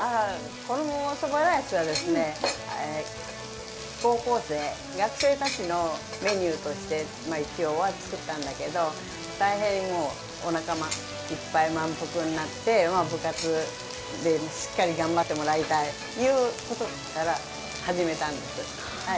このそばライスは高校生、学生たちのメニューとして作ったんだけど大変、おなかいっぱい満腹になって部活でしっかり頑張ってもらいたいいうことから始めたんです。